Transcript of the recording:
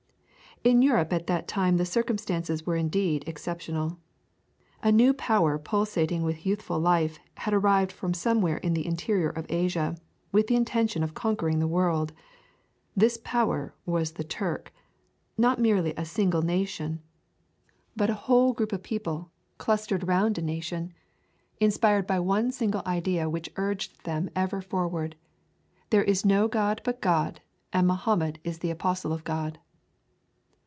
In Europe at that time the circumstances were indeed exceptional. A new power pulsating with youthful life had arrived from somewhere in the interior of Asia with the intention of conquering the world. This power was the Turk not merely a single nation, but a whole group of peoples clustered round a nation, inspired by one single idea which urged them ever forward. "There is no God but God, and Mohammed is the Apostle of God."